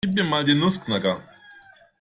Gib mir mal den Nussknacker.